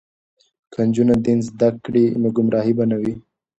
که نجونې دین زده کړي نو ګمراهي به نه وي.